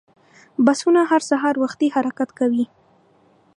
بسونه هر سهار وختي حرکت کوي.